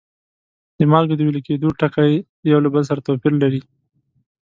د مالګو د ویلي کیدو ټکي یو له بل سره توپیر لري.